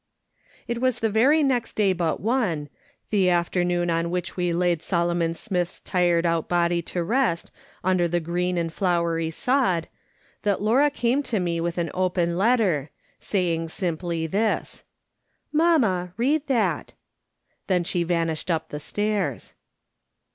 It was the very next day but one, the afternoon on which we laid Solomon Smith's tired out body to rest under the green and flowery sod, that Laura came to me with an open letter, saying simply this :" Mamma, read that." Then she vanished up the stairs.